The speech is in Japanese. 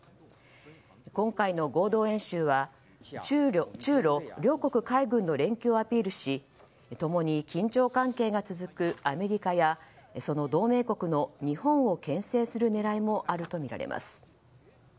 今回の合同演習は中露両国海軍の連携をアピールし共に緊張関係が続くアメリカやその同盟国の日本をけん制する狙いもあるとみられます。